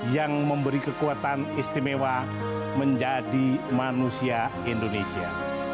yang memberi kekuatan istimewa menjadi manusia indonesia